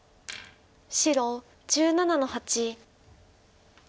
白１７の八。